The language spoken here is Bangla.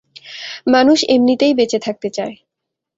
মানুষ এমনিতেই বেঁচে থাকতে চায়।